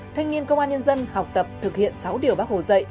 thanh niên công an nhân dân học tập thực hiện sáu điều bác hồ dạy